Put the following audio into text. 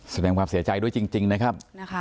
แสดงความเสียใจด้วยจริงนะครับ